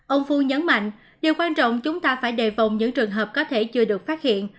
ông phu nhấn mạnh điều quan trọng chúng ta phải đề phòng những trường hợp có thể chưa được phát hiện